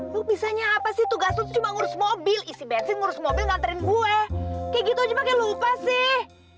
lo bisanya apa sih tugas cuma ngurus mobil isi bensin ngurus mobil nganterin gue kayak gitu aja lupa sih